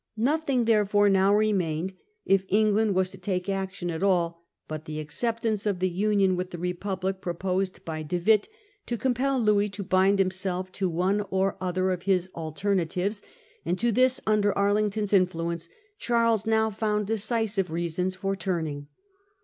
Nothing therefore now remained, if England was to take action at all, but the acceptance of the union Charles de with the Republic proposed by De Witt, to Dutch 68 ° n com P e l Louis to bind himself to one or other alliance. of his ' alternatives ' (see p. 147) ; and to this, under Arlington's influence, Charles now found decisive reasons for turning.